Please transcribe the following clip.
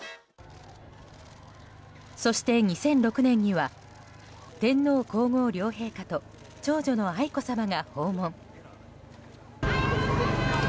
そして、２００６年には天皇・皇后両陛下と長女の愛子さまが訪問。